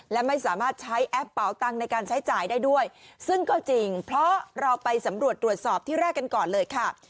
และไม่สามารถใช้แอปเป่าตังค์ในการใช้จ่ายได้ด้วยซึ่งก็จริงเพราะเราไปสำรวจตรวจสอบที่แรกกันก่อนเลยค่ะ